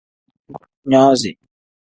Nozi.